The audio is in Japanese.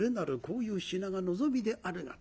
こういう品が望みであるが」。